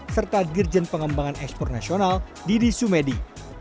serta dirjen pengembangan ekspor nasional didi sumedi